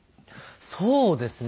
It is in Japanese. そうですね。